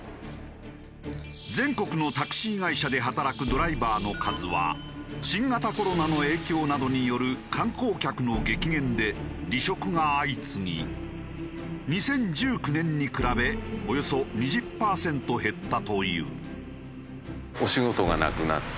全国のタクシー会社で働くドライバーの数は新型コロナの影響などによる観光客の激減で離職が相次ぎ２０１９年に比べおよそ２０パーセント減ったという。